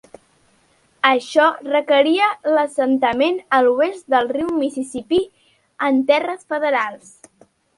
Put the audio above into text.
Això requeria l'assentament a l'oest del riu Mississipí en terres federals.